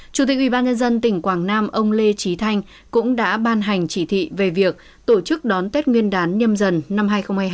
chủ tịch ubnd tỉnh quảng nam ông lê trí thanh cũng đã ban hành chỉ thị về việc tổ chức đón tết nguyên đán nhâm dần năm hai nghìn hai mươi hai